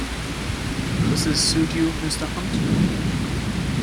Does this suit you, Mr. Hunt?